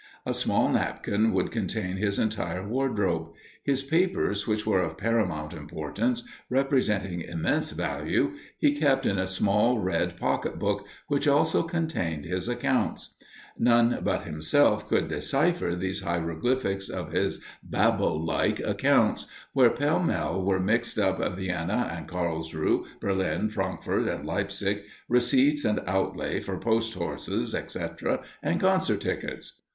A small napkin would contain his entire wardrobe; his papers, which were of paramount importance, representing immense value, he kept in a small red pocket book, which also contained his accounts. None but himself could decipher these hieroglyphics of his Babel like accounts, where pell mell were mixed up Vienna and Carlsruhe, Berlin, Frankfort, and Leipzig, receipts and outlay for post horses, etc., and concert tickets.